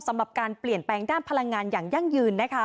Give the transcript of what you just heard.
สำหรับการเปลี่ยนแปลงด้านพลังงานอย่างยั่งยืนนะคะ